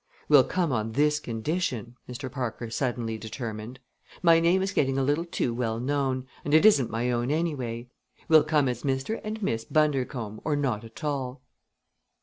"We'll come on this condition," Mr. Parker suddenly determined: "My name is getting a little too well known, and it isn't my own, anyway. We'll come as Mr. and Miss Bundercombe or not at all."